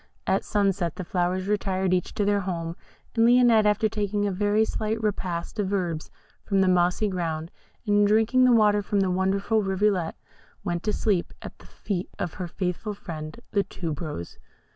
At sunset the flowers retired each to their home; and Lionette, after taking a very slight repast of herbs from the mossy ground, and drinking the water from the wonderful rivulet, went to sleep at the feet of her faithful friend the Tube rose.